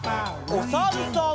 おさるさん。